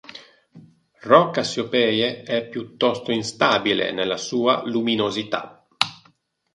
Rho Cassiopeiae è piuttosto instabile nella sua luminosità.